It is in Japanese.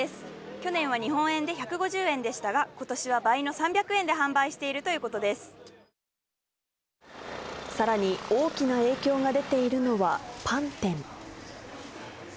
去年は日本円で１５０円でしたが、ことしは倍の３００円で販売してさらに、大きな影響が出ているのはパン店。